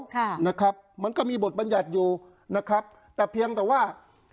ค่ะนะครับมันก็มีบทบัญญัติอยู่นะครับแต่เพียงแต่ว่า